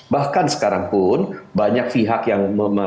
bahkan sekarang pun banyak pihak yang